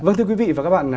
vâng thưa quý vị và các bạn